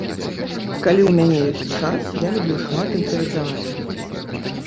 Калі ў мяне ёсць час, я люблю шмат імправізаваць.